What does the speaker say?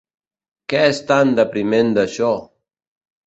Què és tan depriment d'això?